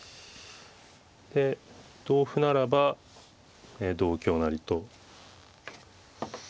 で同歩ならば同香成と。